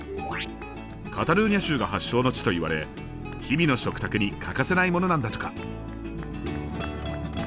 カタルーニャ州が発祥の地といわれ日々の食卓に欠かせないものなんだとか。